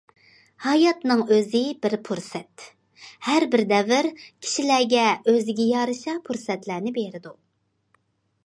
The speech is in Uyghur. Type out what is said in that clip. ھاياتنىڭ ئۆزى بىر پۇرسەت، ھەر بىر دەۋر كىشىلەرگە ئۆزىگە يارىشا پۇرسەتلەرنى بېرىدۇ.